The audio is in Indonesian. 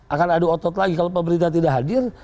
akan ada otot lagi kalau pemerintah tidak hadir